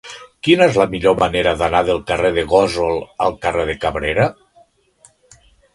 Quina és la millor manera d'anar del carrer de Gósol al carrer de Cabrera?